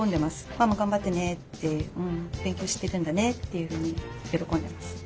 「ママ頑張ってね」って「勉強してるんだね」というふうに喜んでます。